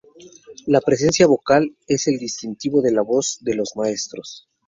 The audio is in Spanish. La presencia vocal es el distintivo de la voz de los maestros.